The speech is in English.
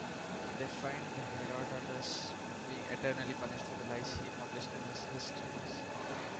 They find Herodotus being eternally punished for the "lies" he published in his "Histories".